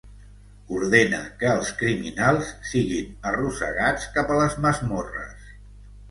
Ordena que els criminals siguin arrossegats cap a les masmorres.